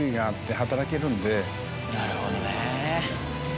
なるほどね。